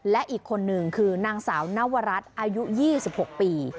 และอีกคนนึงคือนางสาวนวรัฐอายุ๒๖ปี